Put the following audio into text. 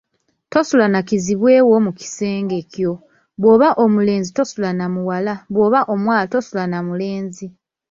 Tosula na kizibwe wo mu kisengekyo, bw’oba omulenzi tosula namuwala, bw’oba omuwala tosula namulenzi.